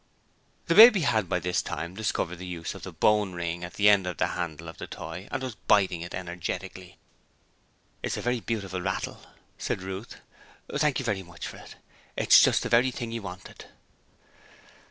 The baby had by this time discovered the use of the bone ring at the end of the handle of the toy and was biting it energetically. 'It's a very beautiful rattle,' said Ruth. 'Thank you very much for it. It's just the very thing he wanted.'